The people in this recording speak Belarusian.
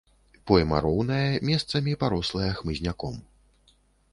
Пойма роўная, месцамі парослая хмызняком.